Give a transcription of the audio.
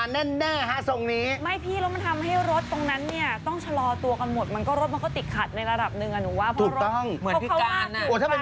นี่เห็นมั้ยพี่มันเดินล่างมันเดินล่างเลยนะฮะโอ้ดูครับ